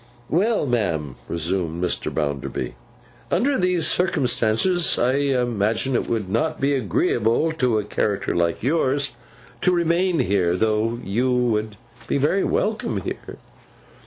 'Well, ma'am,' resumed Bounderby, 'under these circumstances, I imagine it would not be agreeable to a character like yours to remain here, though you would be very welcome here.